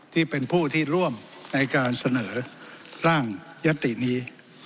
ที่เป็นผู้ที่ร่วมในการเสนอร่างยัตตินี้